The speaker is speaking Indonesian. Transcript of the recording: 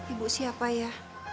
ibu siapa ya